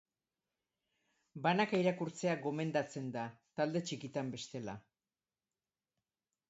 Banaka irakurtzea gomendatzen da, talde txikitan bestela.